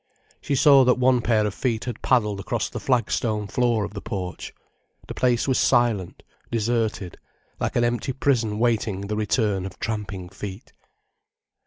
She saw that one pair of feet had paddled across the flagstone floor of the porch. The place was silent, deserted, like an empty prison waiting the return of tramping feet.